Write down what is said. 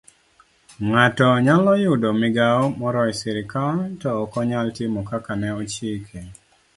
Ng'ato nyalo yudo migawo moro e sirkal to okonyal timo kaka ne ochike